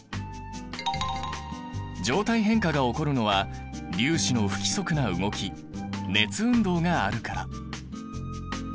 状態変化が起こるのは粒子の不規則な動き熱運動があるから。